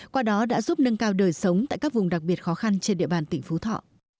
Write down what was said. qua đó đã giúp nâng cao đời sống tại các vùng đặc biệt khó khăn trên địa bàn tỉnh phú thọ